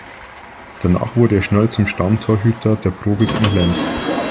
Danach wurde er schnell zum Stammtorhüter der Profis in Lens.